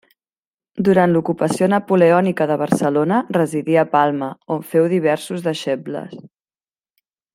Durant l'ocupació napoleònica de Barcelona residí a Palma, on féu diversos deixebles.